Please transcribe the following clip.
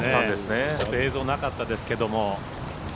ちょっと映像なかったですけれども。